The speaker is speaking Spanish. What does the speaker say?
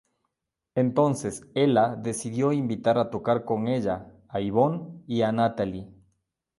Entonces, Ela decidió invitar a tocar con ella a Yvonne y a Natalie.